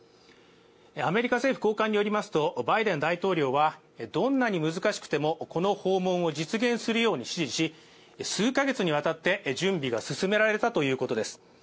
アメリカ政府高官によりますと、バイデン大統領はどんなに難しくてもこの訪問を実現するように指示し数か月にわたって準備が進められたということです。